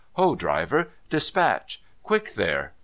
Ho, driver 1 Despatch. Quick there